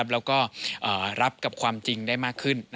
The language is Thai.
แล้วก็รับกับความจริงได้มากขึ้น